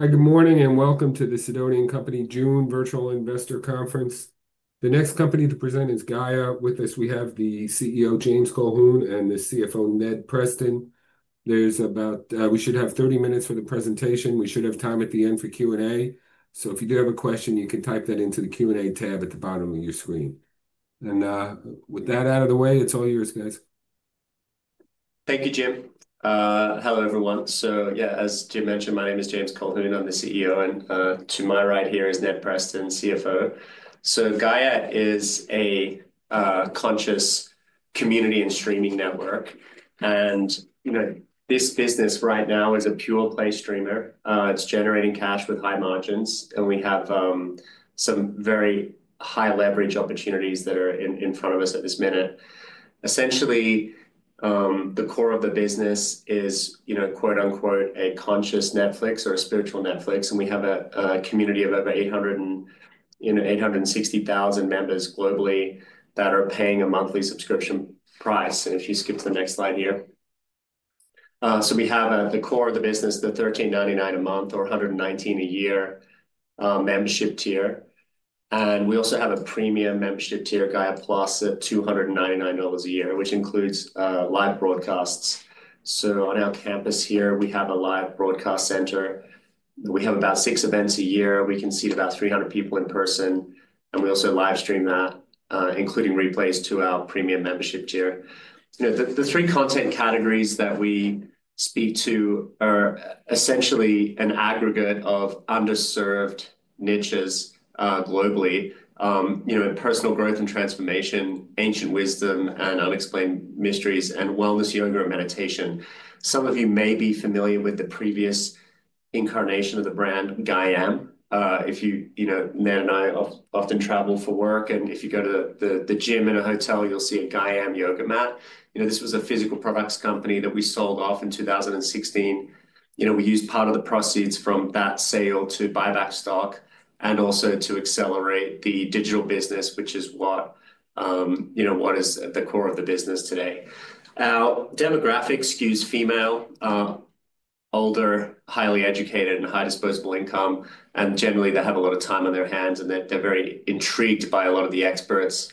Good morning and welcome to the Sidoti & Company June Virtual Investor Conference. The next company to present is Gaia. With us, we have the CEO, James Colquhoun, and the CFO, Ned Preston. We should have 30 minutes for the presentation. We should have time at the end for Q&A. If you do have a question, you can type that into the Q&A tab at the bottom of your screen. With that out of the way, it's all yours, guys. Thank you, Jim. Hello, everyone. So yeah, as Jim mentioned, my name is James Colquhoun. I'm the CEO, and to my right here is Ned Preston, CFO. Gaia is a conscious community and streaming network. This business right now is a pure-play streamer. It's generating cash with high margins, and we have some very high leverage opportunities that are in front of us at this minute. Essentially, the core of the business is, quote unquote, a conscious Netflix or a spiritual Netflix. We have a community of over 860,000 members globally that are paying a monthly subscription price. If you skip to the next slide here. We have at the core of the business, the $13.99 a month or $119 a year membership tier. We also have a premium membership tier, Gaia+, at $299 a year, which includes live broadcasts. On our campus here, we have a live broadcast center. We have about six events a year. We can seat about 300 people in person. We also live stream that, including replays, to our premium membership tier. The three content categories that we speak to are essentially an aggregate of underserved niches globally in personal growth and transformation, ancient wisdom and unexplained mysteries, and wellness yoga and meditation. Some of you may be familiar with the previous incarnation of the brand, Gaiam. If you, Ned and I often travel for work, and if you go to the gym in a hotel, you'll see a Gaiam yoga mat. This was a physical products company that we sold off in 2016. We used part of the proceeds from that sale to buy back stock and also to accelerate the digital business, which is what is at the core of the business today. Now, demographics skew female, older, highly educated, and high disposable income. Generally, they have a lot of time on their hands, and they're very intrigued by a lot of the experts,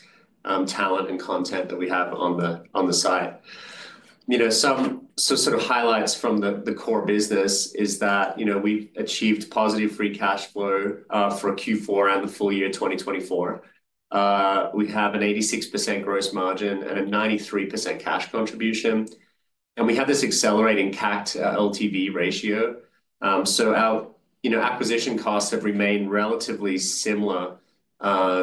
talent, and content that we have on the site. Some sort of highlights from the core business is that we've achieved positive free cash flow for Q4 and the full year 2024. We have an 86% gross margin and a 93% cash contribution. We have this accelerating CAC to LTV ratio. Our acquisition costs have remained relatively similar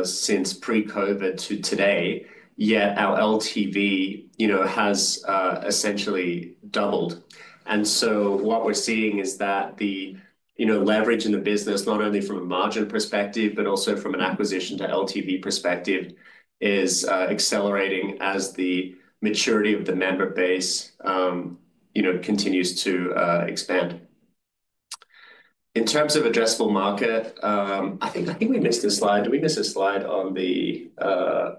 since pre-COVID to today, yet our LTV has essentially doubled. What we're seeing is that the leverage in the business, not only from a margin perspective, but also from an acquisition to LTV perspective, is accelerating as the maturity of the member base continues to expand. In terms of addressable market, I think we missed a slide. Did we miss a slide on the, no,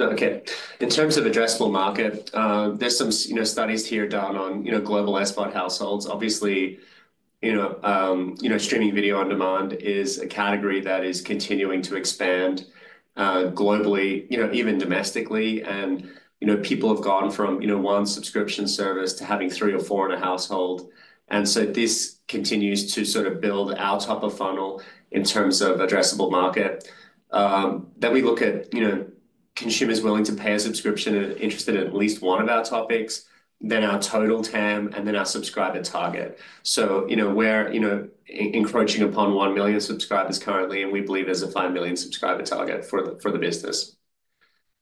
okay. In terms of addressable market, there are some studies here done on global export households. Obviously, streaming video on demand is a category that is continuing to expand globally, even domestically. People have gone from one subscription service to having three or four in a household. This continues to sort of build our top of funnel in terms of addressable market. We look at consumers willing to pay a subscription and interested in at least one of our topics, then our total TAM, and then our subscriber target. We're encroaching upon 1 million subscribers currently, and we believe there's a 5 million subscriber target for the business.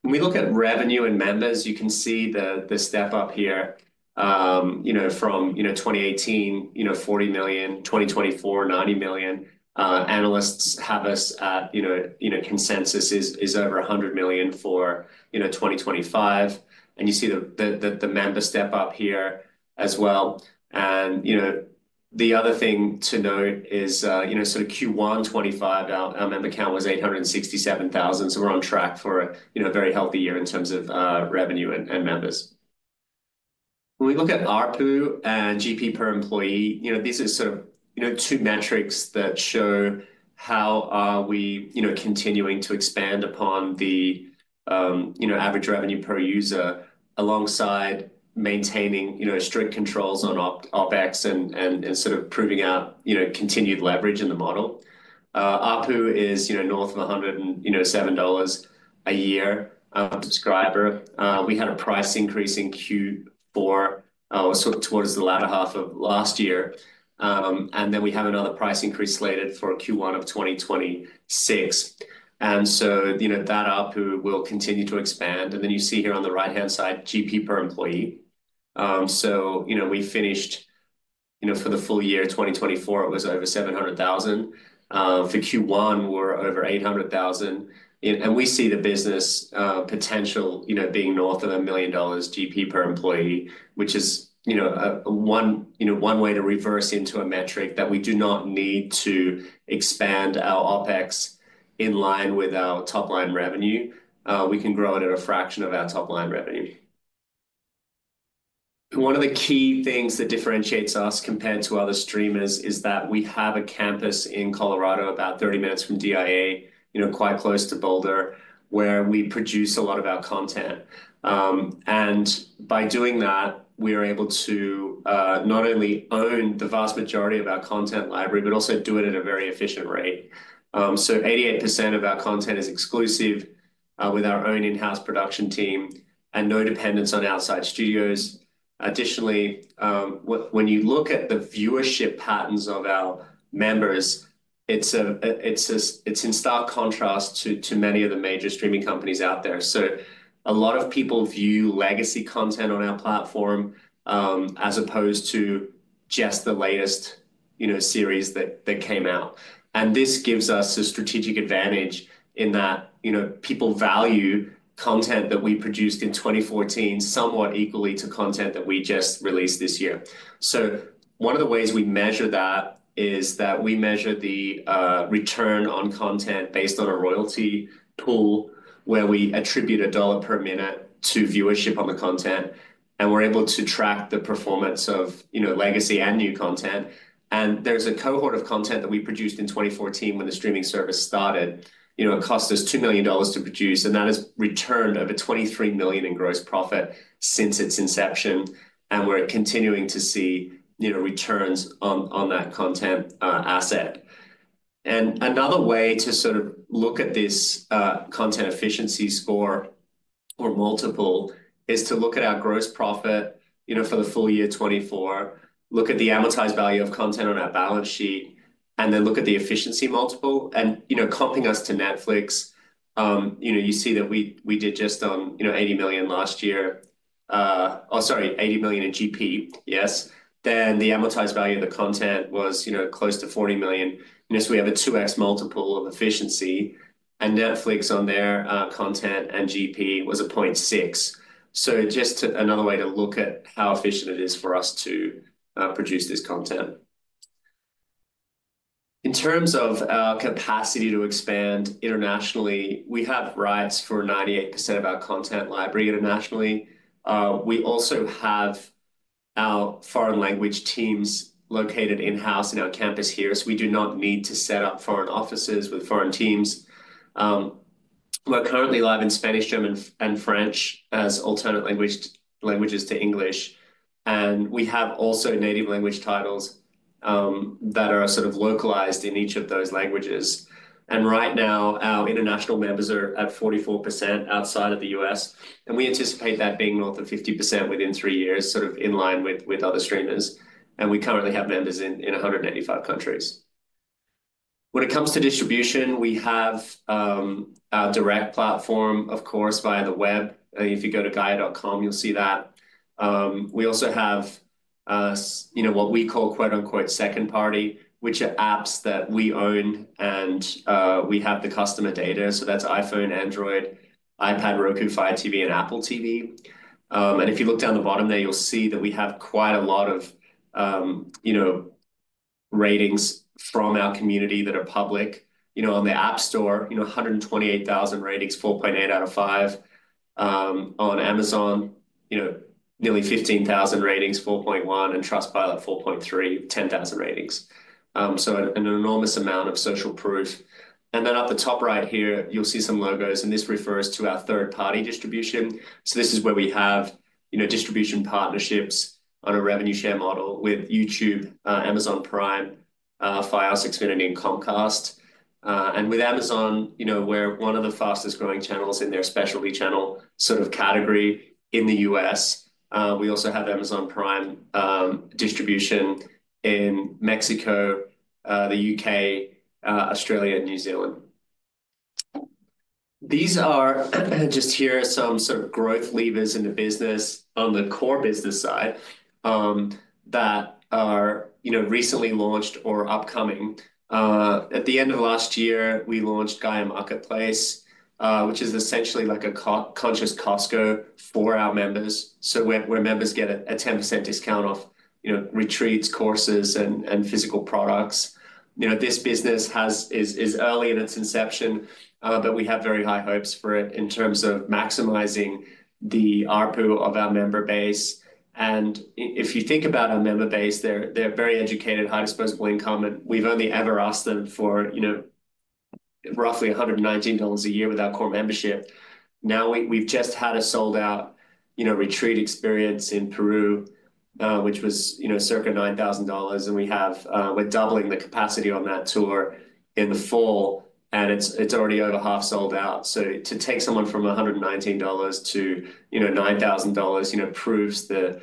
When we look at revenue and members, you can see the step up here from 2018, $40 million, 2024, $90 million. Analysts have us at consensus is over $100 million for 2025. You see the member step up here as well. The other thing to note is sort of Q1 2025, our member count was 867,000. We're on track for a very healthy year in terms of revenue and members. When we look at ARPU and GP per employee, these are sort of two metrics that show how are we continuing to expand upon the average revenue per user alongside maintaining strict controls on OpEx and sort of proving out continued leverage in the model. ARPU is north of $107 a year. Subscriber, we had a price increase in Q4, sort of towards the latter half of last year. We have another price increase slated for Q1 of 2026. That ARPU will continue to expand. You see here on the right-hand side, GP per employee. We finished for the full year 2024, it was over $700,000. For Q1, we're over $800,000. We see the business potential being north of $1 million GP per employee, which is one way to reverse into a metric that we do not need to expand our OpEx in line with our top line revenue. We can grow it at a fraction of our top line revenue. One of the key things that differentiates us compared to other streamers is that we have a campus in Colorado, about 30 minutes from DIA, quite close to Boulder, where we produce a lot of our content. By doing that, we are able to not only own the vast majority of our content library, but also do it at a very efficient rate. 88% of our content is exclusive with our own in-house production team and no dependence on outside studios. Additionally, when you look at the viewership patterns of our members, it is in stark contrast to many of the major streaming companies out there. A lot of people view legacy content on our platform as opposed to just the latest series that came out. This gives us a strategic advantage in that people value content that we produced in 2014 somewhat equally to content that we just released this year. One of the ways we measure that is that we measure the return on content based on a royalty pool where we attribute a dollar per minute to viewership on the content. We're able to track the performance of legacy and new content. There's a cohort of content that we produced in 2014 when the streaming service started. It cost us $2 million to produce, and that has returned over $23 million in gross profit since its inception. We're continuing to see returns on that content asset. Another way to sort of look at this content efficiency score or multiple is to look at our gross profit for the full year 2024, look at the amortized value of content on our balance sheet, and then look at the efficiency multiple. Comping us to Netflix, you see that we did just on $80 million last year. Oh, sorry, $80 million in GP, yes. The amortized value of the content was close to $40 million. We have a 2x multiple of efficiency. Netflix on their content and GP was a 0.6. Just another way to look at how efficient it is for us to produce this content. In terms of our capacity to expand internationally, we have rights for 98% of our content library internationally. We also have our foreign language teams located in-house in our campus here, so we do not need to set up foreign offices with foreign teams. We are currently live in Spanish, German, and French as alternate languages to English. We have also native language titles that are sort of localized in each of those languages. Right now, our international members are at 44% outside of the U.S. We anticipate that being north of 50% within three years, sort of in line with other streamers. We currently have members in 185 countries. When it comes to distribution, we have our direct platform, of course, via the web. If you go to gaia.com, you will see that. We also have what we call "second party," which are apps that we own, and we have the customer data. That is iPhone, Android, iPad, Roku, Fire TV, and Apple TV. If you look down the bottom there, you'll see that we have quite a lot of ratings from our community that are public. On the App Store, 128,000 ratings, 4.8 out of 5. On Amazon, nearly 15,000 ratings, 4.1, and Trustpilot, 4.3, 10,000 ratings. An enormous amount of social proof. Up the top right here, you'll see some logos, and this refers to our third-party distribution. This is where we have distribution partnerships on a revenue share model with YouTube, Amazon Prime, Xfinity and Chromecast. With Amazon, we're one of the fastest growing channels in their specialty channel sort of category in the U.S. We also have Amazon Prime distribution in Mexico, the U.K., Australia, and New Zealand. These are just here are some sort of growth levers in the business on the core business side that are recently launched or upcoming. At the end of last year, we launched Gaia Marketplace, which is essentially like a conscious Costco for our members. So where members get a 10% discount off retreats, courses, and physical products. This business is early in its inception, but we have very high hopes for it in terms of maximizing the ARPU of our member base. And if you think about our member base, they're very educated, high disposable income, and we've only ever asked them for roughly $119 a year with our core membership. Now, we've just had a sold-out retreat experience in Peru, which was circa $9,000, and we're doubling the capacity on that tour in the fall, and it's already over half sold out. To take someone from $119 to $9,000 proves the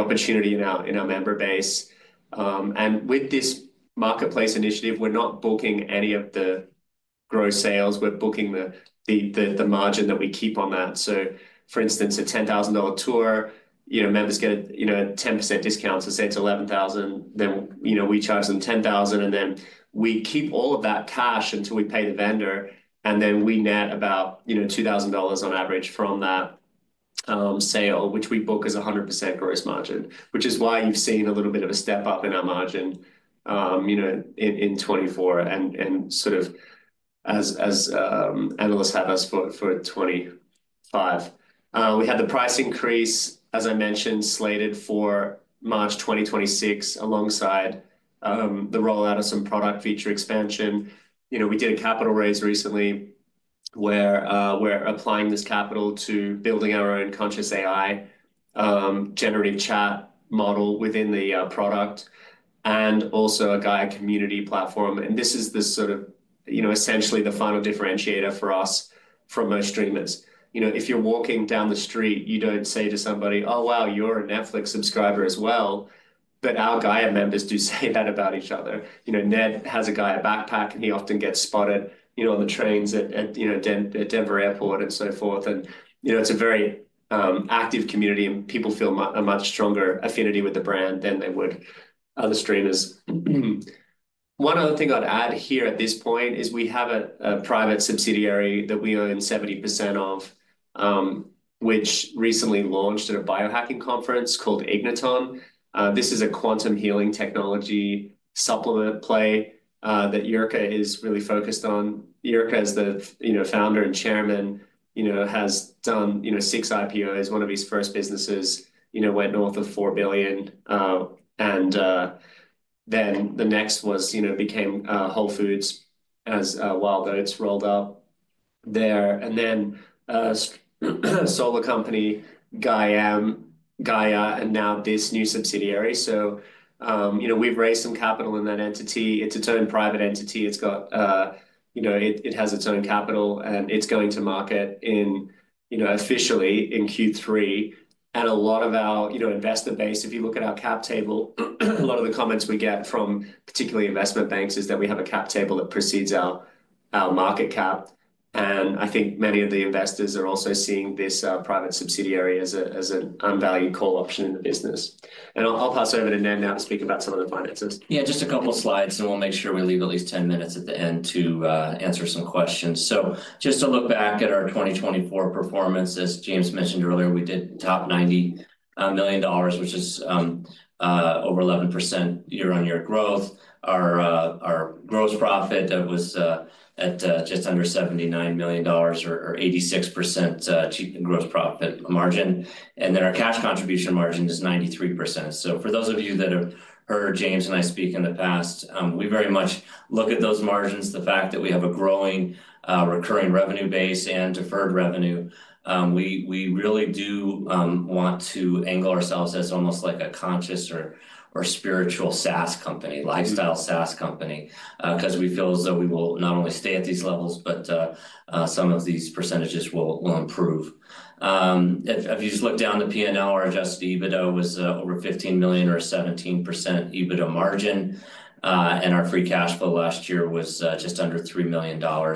opportunity in our member base. And with this marketplace initiative, we're not booking any of the gross sales. We're booking the margin that we keep on that. For instance, a $10,000 tour, members get a 10% discount. Say it's $11,000, then we charge them $10,000, and then we keep all of that cash until we pay the vendor, and then we net about $2,000 on average from that sale, which we book as a 100% gross margin, which is why you've seen a little bit of a step up in our margin in 2024 and sort of as analysts have us for 2025. We had the price increase, as I mentioned, slated for March 2026 alongside the rollout of some product feature expansion. We did a capital raise recently where we're applying this capital to building our own conscious AI generative chat model within the product and also a Gaia community platform. This is essentially the final differentiator for us from most streamers. If you're walking down the street, you don't say to somebody, "Oh, wow, you're a Netflix subscriber as well," but our Gaia members do say that about each other. Ned has a Gaia backpack, and he often gets spotted on the trains at Denver Airport and so forth. It is a very active community, and people feel a much stronger affinity with the brand than they would other streamers. One other thing I'd add here at this point is we have a private subsidiary that we own 70% of, which recently launched at a biohacking conference called Igniton. This is a quantum healing technology supplement play that Jirka is really focused on. Jirka is the Founder and chairman, has done six IPOs. One of his first businesses went north of $4 billion. The next became Whole Foods as Wild Oats rolled up there. A sola company, Gaiam, Gaia, and now this new subsidiary. We have raised some capital in that entity. It is its own private entity. It has its own capital, and it is going to market officially in Q3. A lot of our investor base, if you look at our cap table, a lot of the comments we get from particularly investment banks is that we have a cap table that precedes our market cap. I think many of the investors are also seeing this private subsidiary as an unvalued call option in the business. I will pass over to Ned now to speak about some of the finances. Yeah, just a couple of slides, and we will make sure we leave at least 10 minutes at the end to answer some questions. Just to look back at our 2024 performance, as James mentioned earlier, we did top $90 million, which is over 11% year-on-year growth. Our gross profit was at just under $79 million or 86% gross profit margin. Our cash contribution margin is 93%. For those of you that have heard James and I speak in the past, we very much look at those margins, the fact that we have a growing recurring revenue base and deferred revenue. We really do want to angle ourselves as almost like a conscious or spiritual SaaS company, lifestyle SaaS company, because we feel as though we will not only stay at these levels, but some of these percentages will improve. If you just look down the P&L, our adjusted EBITDA was over $15 million or 17% EBITDA margin. Our free cash flow last year was just under $3 million or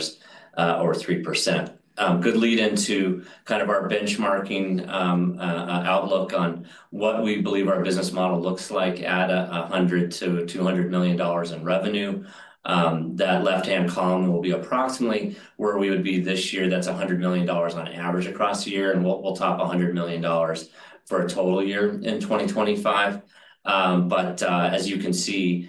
3%. Good lead into kind of our benchmarking outlook on what we believe our business model looks like at $100-$200 million in revenue. That left-hand column will be approximately where we would be this year. That's $100 million on average across the year, and we'll top $100 million for a total year in 2025. As you can see,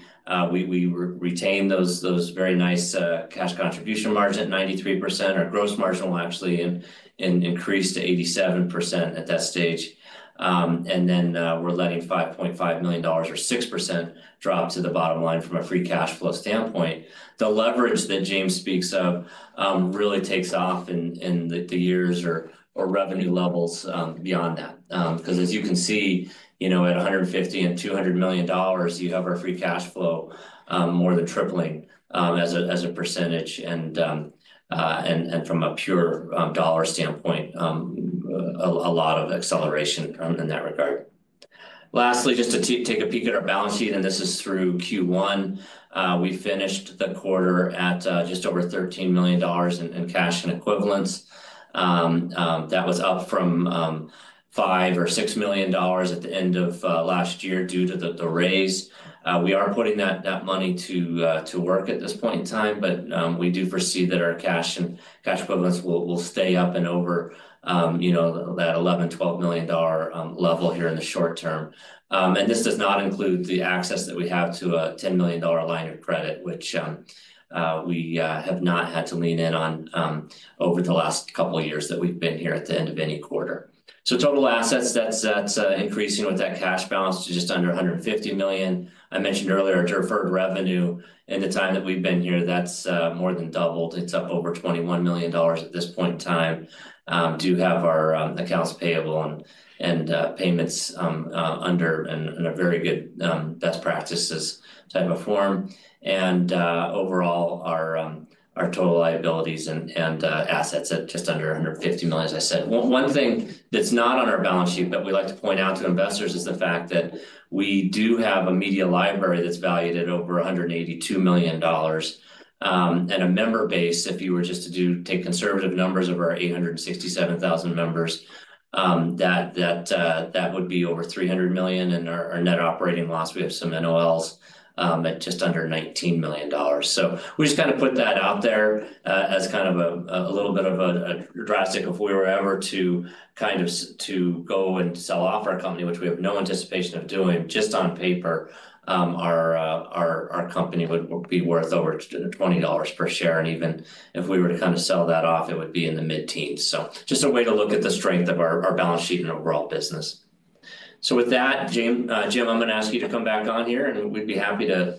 we retain those very nice cash contribution margin at 93%. Our gross margin will actually increase to 87% at that stage. We're letting $5.5 million or 6% drop to the bottom line from a free cash flow standpoint. The leverage that James speaks of really takes off in the years or revenue levels beyond that. Because as you can see, at $150 million and $200 million, you have our free cash flow more than tripling as a percentage and from a pure dollar standpoint, a lot of acceleration in that regard. Lastly, just to take a peek at our balance sheet, and this is through Q1, we finished the quarter at just over $13 million in cash and equivalents. That was up from $5 million or $6 million at the end of last year due to the raise. We are putting that money to work at this point in time, but we do foresee that our cash and cash equivalents will stay up and over that $11 million-$12 million level here in the short term. This does not include the access that we have to a $10 million line of credit, which we have not had to lean in on over the last couple of years that we've been here at the end of any quarter. Total assets, that's increasing with that cash balance to just under $150 million. I mentioned earlier our deferred revenue in the time that we've been here, that's more than doubled. It's up over $21 million at this point in time. We do have our accounts payable and payments under and a very good best practices type of form. Overall, our total liabilities and assets at just under $150 million. As I said, one thing that's not on our balance sheet that we like to point out to investors is the fact that we do have a media library that's valued at over $182 million. A member base, if you were just to take conservative numbers of our 867,000 members, that would be over $300 million. Our net operating loss, we have some NOLs at just under $19 million. We just kind of put that out there as kind of a little bit of a drastic if we were ever to kind of go and sell off our company, which we have no anticipation of doing, just on paper, our company would be worth over $20 per share. Even if we were to kind of sell that off, it would be in the mid-teens. Just a way to look at the strength of our balance sheet and overall business. With that, Jim, I'm going to ask you to come back on here, and we'd be happy to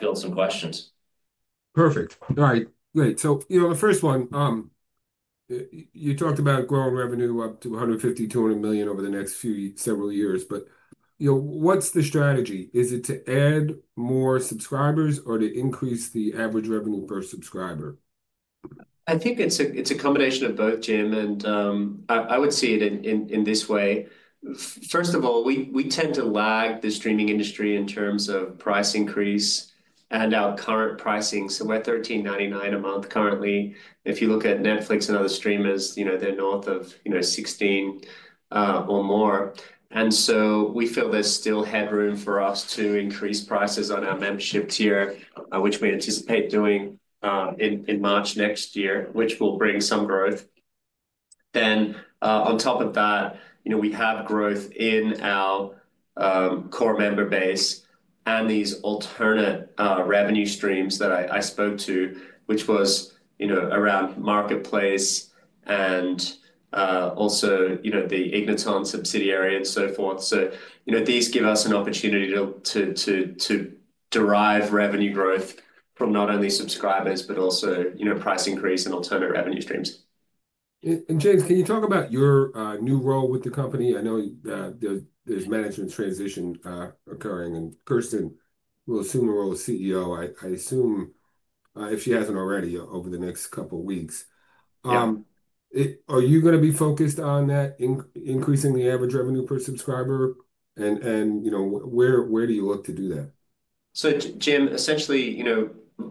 field some questions. Perfect. All right. Great. The first one, you talked about growing revenue up to $150 million-$200 million over the next few several years, but what's the strategy? Is it to add more subscribers or to increase the average revenue per subscriber? I think it's a combination of both, Jim, and I would see it in this way. First of all, we tend to lag the streaming industry in terms of price increase and our current pricing. We're $13.99 a month currently. If you look at Netflix and other streamers, they're north of $16 or more. We feel there's still headroom for us to increase prices on our membership tier, which we anticipate doing in March next year, which will bring some growth. We have growth in our core member base and these alternate revenue streams that I spoke to, which was around Marketplace and also the Igniton subsidiary and so forth. These give us an opportunity to derive revenue growth from not only subscribers, but also price increase and alternate revenue streams. James, can you talk about your new role with the company? I know there's management transition occurring, and Kiersten will assume the role of CEO, I assume, if she hasn't already over the next couple of weeks. Are you going to be focused on that, increasing the average revenue per subscriber? Where do you look to do that? Jim, essentially,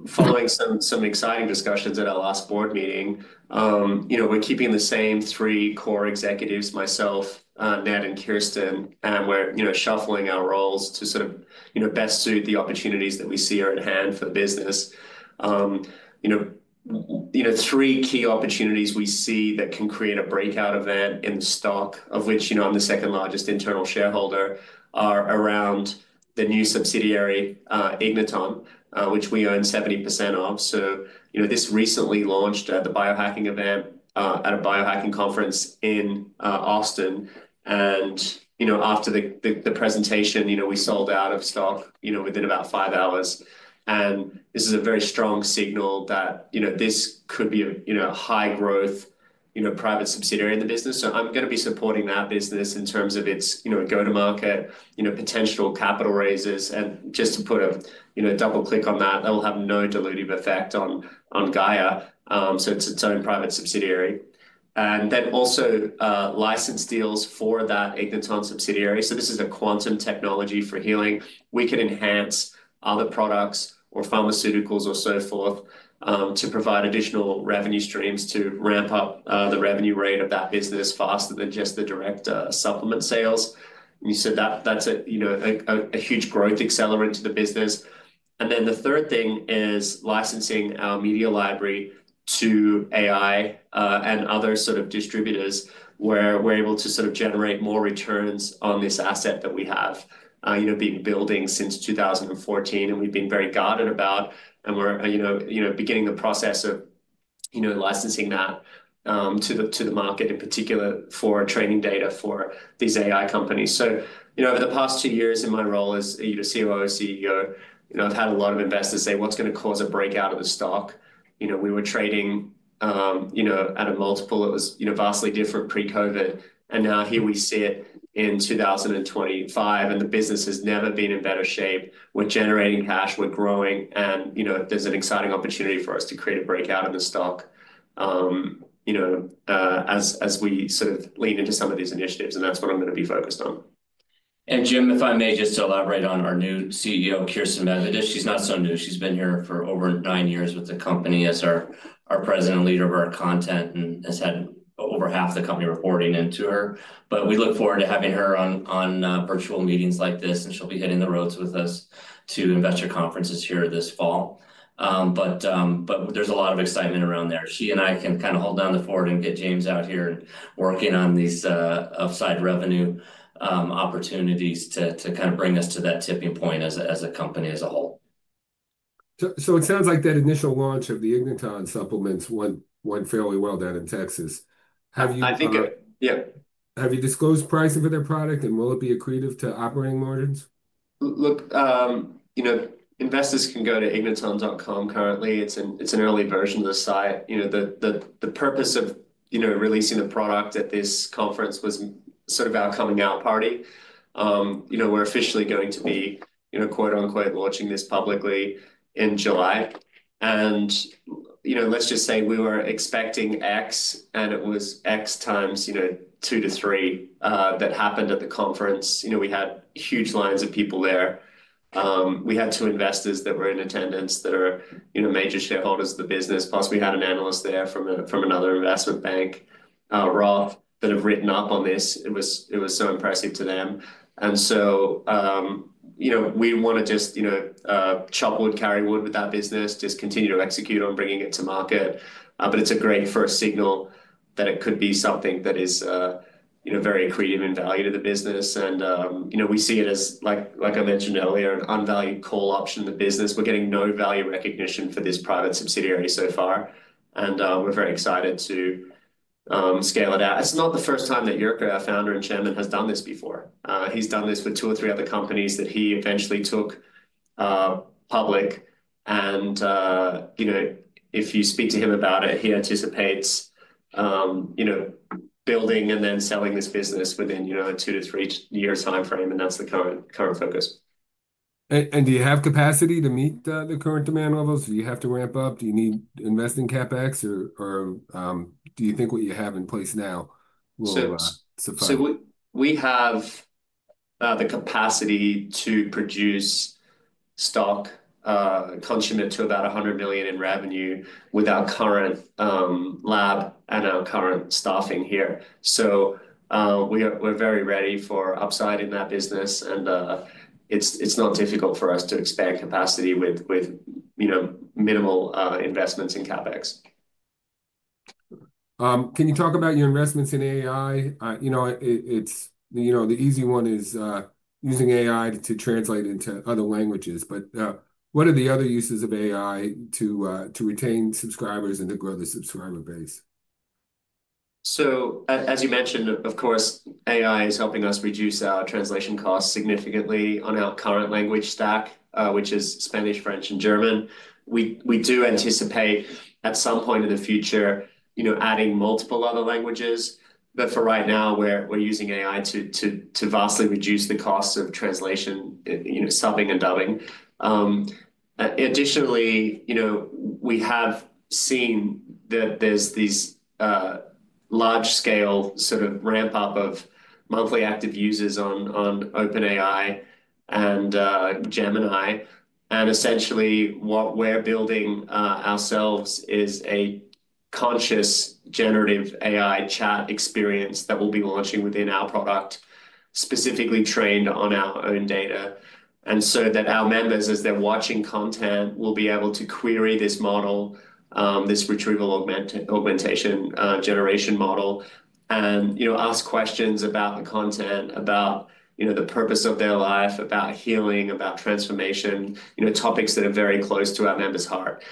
following some exciting discussions at our last board meeting, we're keeping the same three core executives, myself, Ned, and Kiersten, and we're shuffling our roles to sort of best suit the opportunities that we see are at hand for the business. Three key opportunities we see that can create a breakout event in the stock, of which I'm the second largest internal shareholder, are around the new subsidiary, Igniton, which we own 70% of. This recently launched at the biohacking event at a biohacking conference in Austin. After the presentation, we sold out of stock within about five hours. This is a very strong signal that this could be a high-growth private subsidiary in the business. I'm going to be supporting that business in terms of its go-to-market potential capital raises. Just to put a double-click on that, that will have no dilutive effect on Gaia. It is its own private subsidiary. Also, license deals for that Igniton subsidiary. This is a quantum technology for healing. We can enhance other products or pharmaceuticals or so forth to provide additional revenue streams to ramp up the revenue rate of that business faster than just the direct supplement sales. You said that is a huge growth accelerant to the business. The third thing is licensing our media library to AI and other sort of distributors where we are able to generate more returns on this asset that we have been building since 2014, and we have been very guarded about, and we are beginning the process of licensing that to the market, in particular for training data for these AI companies. Over the past two years in my role as COO and CEO, I've had a lot of investors say, "What's going to cause a breakout of the stock?" We were trading at a multiple that was vastly different pre-COVID. Now here we sit in 2025, and the business has never been in better shape. We're generating cash. We're growing. There's an exciting opportunity for us to create a breakout in the stock as we sort of lean into some of these initiatives. That's what I'm going to be focused on. Jim, if I may just elaborate on our new CEO, Kiersten Medvedich. She's not so new. She's been here for over nine years with the company as our president and leader of our content and has had over half the company reporting into her. We look forward to having her on virtual meetings like this, and she'll be hitting the roads with us to investor conferences here this fall. There is a lot of excitement around there. She and I can kind of hold down the fort and get James out here and working on these upside revenue opportunities to kind of bring us to that tipping point as a company as a whole. It sounds like that initial launch of the Igniton supplements went fairly well down in Texas. Have you disclosed pricing for their product, and will it be accretive to operating margins? Look, investors can go to igniton.com currently. It's an early version of the site. The purpose of releasing the product at this conference was sort of our coming out party. We're officially going to be "launching" this publicly in July. Let's just say we were expecting X, and it was X times two to three that happened at the conference. We had huge lines of people there. We had two investors that were in attendance that are major shareholders of the business. Plus, we had an analyst there from another investment bank, Roth, that have written up on this. It was so impressive to them. We want to just chop wood, carry wood with that business, just continue to execute on bringing it to market. It is a great first signal that it could be something that is very accretive in value to the business. We see it as, like I mentioned earlier, an unvalued call option in the business. We are getting no value recognition for this private subsidiary so far. We are very excited to scale it out. It's not the first time that Jirka, our Founder and Chairman, has done this before. He's done this with two or three other companies that he eventually took public. If you speak to him about it, he anticipates building and then selling this business within a two- to three-year timeframe, and that's the current focus. Do you have capacity to meet the current demand levels? Do you have to ramp up? Do you need investing CapEx, or do you think what you have in place now will suffice? We have the capacity to produce stock consummate to about $100 million in revenue with our current lab and our current staffing here. We're very ready for upside in that business, and it's not difficult for us to expand capacity with minimal investments in CapEx. Can you talk about your investments in AI? The easy one is using AI to translate into other languages. What are the other uses of AI to retain subscribers and to grow the subscriber base? As you mentioned, of course, AI is helping us reduce our translation costs significantly on our current language stack, which is Spanish, French, and German. We do anticipate at some point in the future adding multiple other languages. For right now, we're using AI to vastly reduce the cost of translation, subbing, and dubbing. Additionally, we have seen that there's this large-scale sort of ramp-up of monthly active users on OpenAI and Gemini. Essentially, what we're building ourselves is a conscious generative AI chat experience that we'll be launching within our product, specifically trained on our own data. Our members, as they're watching content, will be able to query this model, this retrieval augmentation generation model, and ask questions about the content, about the purpose of their life, about healing, about transformation, topics that are very close to our members' heart.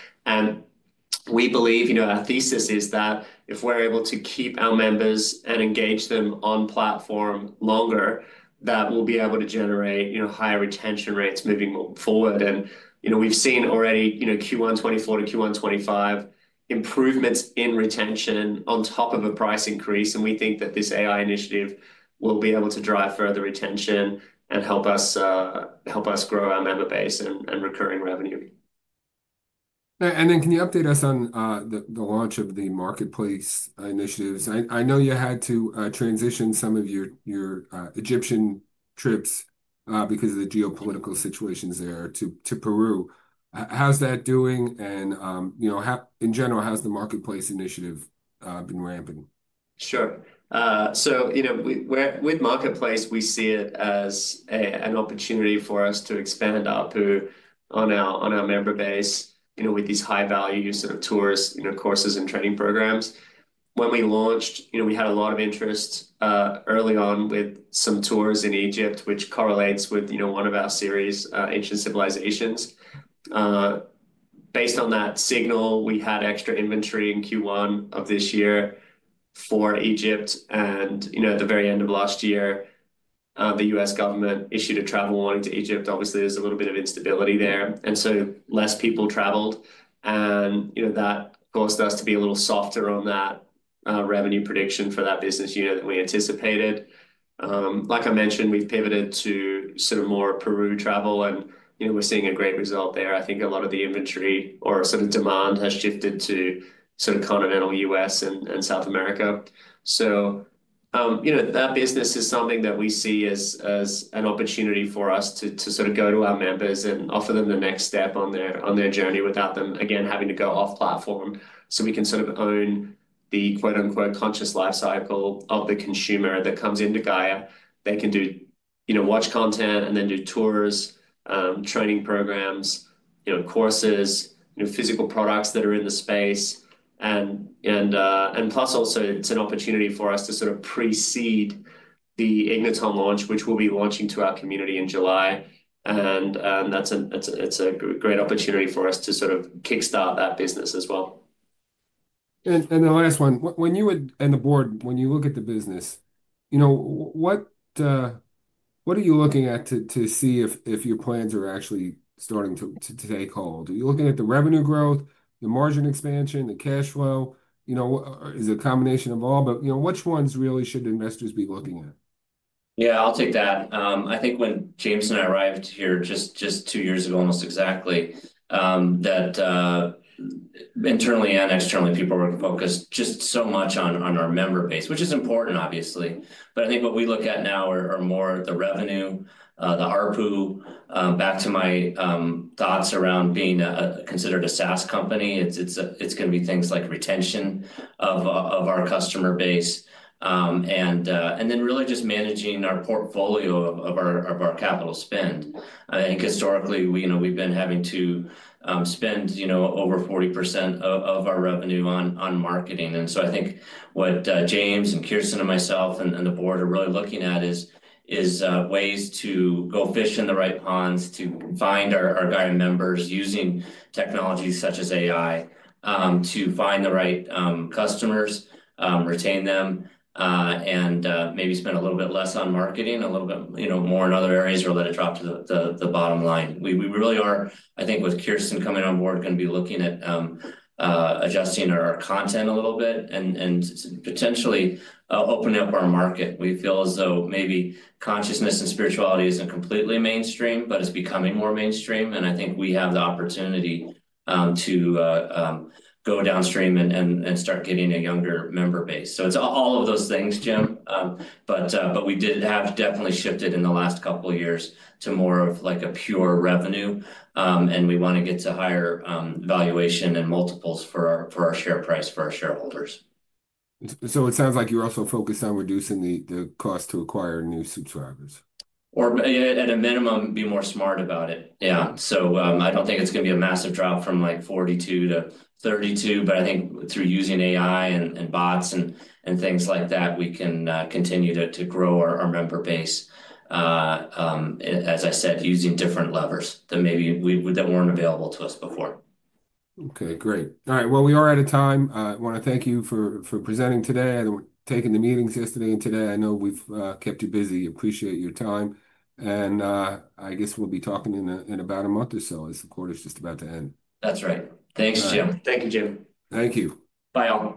We believe our thesis is that if we're able to keep our members and engage them on platform longer, we'll be able to generate higher retention rates moving forward. We've seen already Q1 2024-Q1 2025 improvements in retention on top of a price increase. We think that this AI initiative will be able to drive further retention and help us grow our member base and recurring revenue. Can you update us on the launch of the Marketplace initiatives? I know you had to transition some of your Egyptian trips because of the geopolitical situations there to Peru. How's that doing? And in general, how's the Marketplace initiative been ramping? Sure. So with Marketplace, we see it as an opportunity for us to expand our pool on our member base with these high-value use of tours, courses, and training programs. When we launched, we had a lot of interest early on with some tours in Egypt, which correlates with one of our series, Ancient Civilizations. Based on that signal, we had extra inventory in Q1 of this year for Egypt. At the very end of last year, the U.S. government issued a travel warning to Egypt. Obviously, there's a little bit of instability there. And so less people traveled. That caused us to be a little softer on that revenue prediction for that business unit that we anticipated. Like I mentioned, we've pivoted to sort of more Peru travel, and we're seeing a great result there. I think a lot of the inventory or sort of demand has shifted to sort of continental U.S. and South America. That business is something that we see as an opportunity for us to sort of go to our members and offer them the next step on their journey without them, again, having to go off platform. We can sort of own the "conscious lifecycle" of the consumer that comes into Gaia. They can watch content and then do tours, training programs, courses, physical products that are in the space. Plus, also, it's an opportunity for us to sort of precede the Igniton launch, which we'll be launching to our community in July. That's a great opportunity for us to sort of kickstart that business as well. The last one, when you would, and the board, when you look at the business, what are you looking at to see if your plans are actually starting to take hold? Are you looking at the revenue growth, the margin expansion, the cash flow? Is it a combination of all? Which ones really should investors be looking at? Yeah, I'll take that. I think when James and I arrived here just two years ago, almost exactly, that internally and externally, people were focused just so much on our member base, which is important, obviously. I think what we look at now are more the revenue, the ARPU. Back to my thoughts around being considered a SaaS company, it's going to be things like retention of our customer base and then really just managing our portfolio of our capital spend. I think historically, we've been having to spend over 40% of our revenue on marketing. I think what James and Kiersten and myself and the board are really looking at is ways to go fish in the right ponds to find our Gaia members using technology such as AI to find the right customers, retain them, and maybe spend a little bit less on marketing, a little bit more in other areas, or let it drop to the bottom line. We really are, I think, with Kirsten coming on board, going to be looking at adjusting our content a little bit and potentially opening up our market. We feel as though maybe consciousness and spirituality is not completely mainstream, but it is becoming more mainstream. I think we have the opportunity to go downstream and start getting a younger member base. It is all of those things, Jim. We have definitely shifted in the last couple of years to more of a pure revenue. We want to get to higher valuation and multiples for our share price for our shareholders. It sounds like you are also focused on reducing the cost to acquire new subscribers, or at a minimum, be more smart about it. Yeah. I do not think it is going to be a massive drop from like 42-32. I think through using AI and bots and things like that, we can continue to grow our member base, as I said, using different levers that maybe were not available to us before. Okay. Great. All right. We are out of time. I want to thank you for presenting today and taking the meetings yesterday and today. I know we've kept you busy. Appreciate your time. I guess we'll be talking in about a month or so as the quarter is just about to end. That's right. Thanks, Jim. Thank you, Jim. Thank you. Bye.